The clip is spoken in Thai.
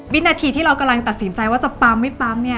วินาทีที่เรากำลังตัดสินใจว่าจะปั๊มไม่ปั๊มเนี่ย